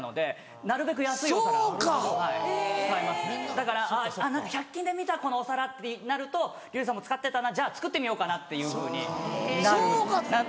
だから「１００均で見たこのお皿！」になるとリュウジさんも使ってたなじゃあ作ってみようかなっていうふうになるので。